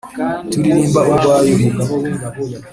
Turirimba urwa Yuhi